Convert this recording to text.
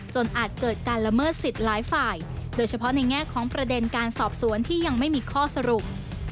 อาจเกิดการละเมิดสิทธิ์หลายฝ่ายโดยเฉพาะในแง่ของประเด็นการสอบสวนที่ยังไม่มีข้อสรุป